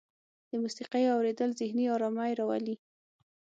د موسیقۍ اوریدل ذهني ارامۍ راولي.